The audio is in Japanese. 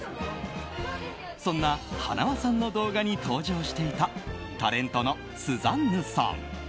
そんな、はなわさんの動画に登場していたタレントのスザンヌさん。